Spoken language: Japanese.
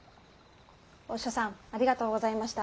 おっしょさんありがとうございました。